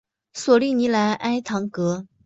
索利尼莱埃唐格。